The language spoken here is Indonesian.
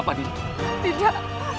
yang bisa dicari